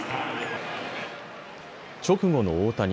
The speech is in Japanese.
直後の大谷。